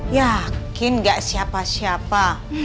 yakin gak siapa siapa